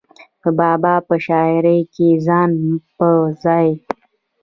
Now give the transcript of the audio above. د بابا پۀ شاعرۍ کښې ځای پۀ ځای